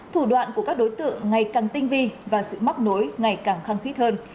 thủ đoạn của các đối tượng ngày càng tinh vi và sự móc nối ngày càng khăng khít hơn